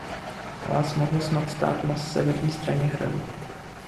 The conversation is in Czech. Palác mohl snad stát na severní straně hradu.